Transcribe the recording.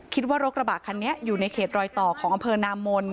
รถกระบะคันนี้อยู่ในเขตรอยต่อของอำเภอนามน